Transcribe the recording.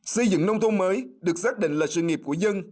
xây dựng nông thôn mới được xác định là sự nghiệp của dân